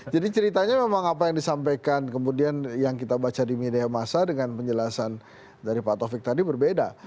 jadi ceritanya memang apa yang disampaikan kemudian yang kita baca di media masa dengan penjelasan dari pak tovik tadi berbeda